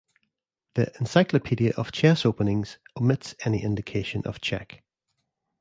The "Encyclopedia of Chess Openings" omits any indication of check.